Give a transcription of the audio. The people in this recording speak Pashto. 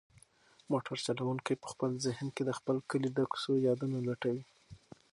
موټر چلونکی په خپل ذهن کې د خپل کلي د کوڅو یادونه لټوي.